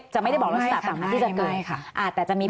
จะไม่ได้บอกลักษณะต่างที่จะเกิดอาจจะมีผล